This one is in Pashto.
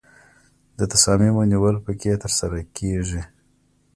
د تصامیمو نیول پکې ترسره کیږي.